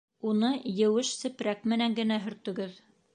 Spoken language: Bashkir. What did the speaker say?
Уны еүеш сепрәк менән генә һөртөгөҙ